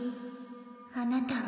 あなたは。